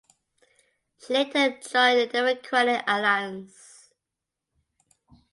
She later joined the Democratic Alliance.